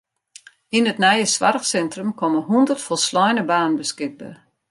Yn it nije soarchsintrum komme hûndert folsleine banen beskikber.